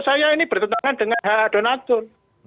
saya ini bertentangan dengan hak hak donator